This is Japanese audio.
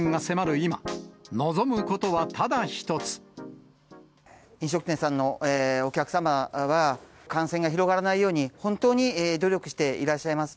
今、飲食店さんのお客様は、感染が広がらないように、本当に努力していらっしゃいます。